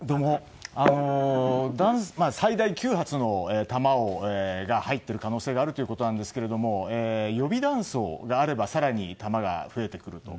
最大９発の弾が入っている可能性があるということですが予備弾倉があれば更に弾が増えてくると。